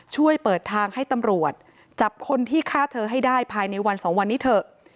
ช่วยเปิดทางให้ตำรวจจับคนที่ฆ่าเธอให้ได้ภายในวันสองวันนี้เถอะ